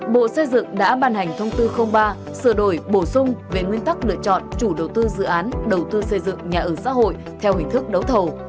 bộ xây dựng đã ban hành thông tư ba sửa đổi bổ sung về nguyên tắc lựa chọn chủ đầu tư dự án đầu tư xây dựng nhà ở xã hội theo hình thức đấu thầu